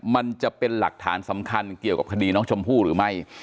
มันจะเป็นหลักฐานสำคัญเกี่ยวกับคดีน้องชมพู่หรือไม่